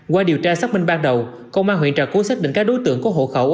qua điều tra xác minh ban đầu công an huyện trà cú xác định các đối tượng có hộ khẩu